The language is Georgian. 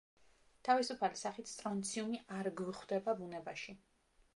თავისუფალი სახით სტრონციუმი არ გვხვდება ბუნებაში.